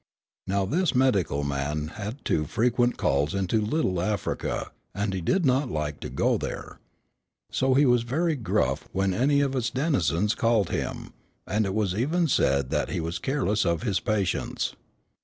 Now this medical man had too frequent calls into Little Africa, and he did not like to go there. So he was very gruff when any of its denizens called him, and it was even said that he was careless of his patients.